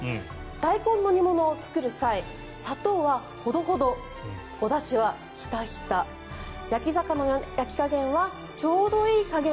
大根の煮物を作る際砂糖はほどほどおだしは、ひたひた焼き魚の焼き加減はちょうどいい加減。